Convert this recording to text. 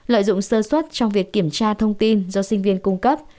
lợi dụng sơ xuất trong việc kiểm tra thông tin do sinh viên cung cấp